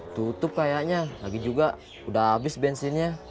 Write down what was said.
tutup kayaknya lagi juga udah habis bensinnya